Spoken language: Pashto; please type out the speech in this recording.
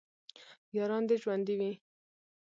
یاران دې ژوندي وي